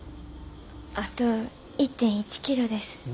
あと１．１キロです。